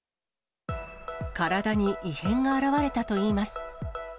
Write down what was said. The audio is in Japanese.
体に異変が表れたといいます。